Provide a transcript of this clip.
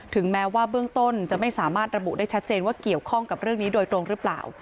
แม้ว่าเบื้องต้นจะไม่สามารถระบุได้ชัดเจนว่าเกี่ยวข้องกับเรื่องนี้โดยตรงหรือเปล่า